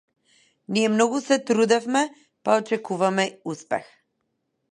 Ние многу се трудевме па очекуваме успех.